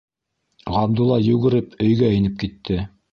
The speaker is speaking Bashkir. Ғабдулла, йүгереп, өйгә инеп китте.